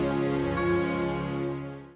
gue sih gak peduli ya